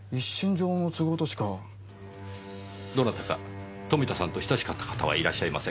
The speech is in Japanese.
どなたか富田さんと親しかった方はいらっしゃいませんか？